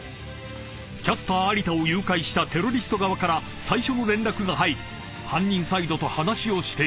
［キャスター有田を誘拐したテロリスト側から最初の連絡が入り犯人サイドと話をしていると］